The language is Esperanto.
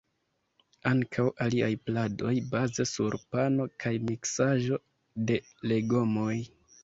Ankaŭ aliaj pladoj baze sur pano kaj miksaĵo de legomoj.